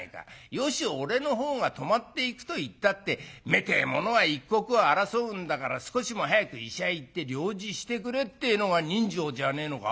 よし俺のほうが泊まっていくと言ったって目てえものは一刻を争うんだから少しでも早く医者へ行って療治してくれってえのが人情じゃねえのか。